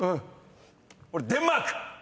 「デンマーク」！